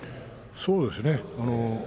そうですね。